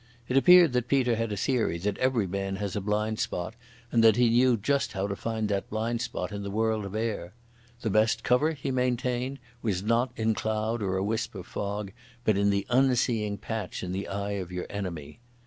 It appeared that Peter had a theory that every man has a blind spot, and that he knew just how to find that blind spot in the world of air. The best cover, he maintained, was not in cloud or a wisp of fog, but in the unseeing patch in the eye of your enemy.